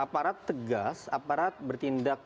aparat tegas aparat bertindak